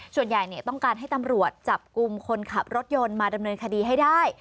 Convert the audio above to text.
ส่วนใหญ่ต้องการให้ตำรวจจับกลุ่มคนขับรถยนต์มาดำเนินคดีให้ได้